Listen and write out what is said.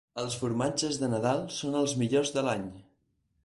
Els formatges de Nadal són els millors de l'any.